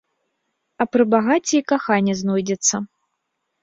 А пры багацці і каханне знойдзецца.